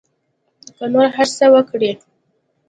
که نور هر څه وکري.